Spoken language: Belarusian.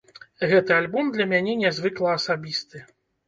Гэты альбом для мяне нязвыкла асабісты.